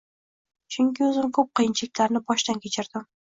Chunki o’zim ko’p qiyinchiliklarni boshdan kechirdim.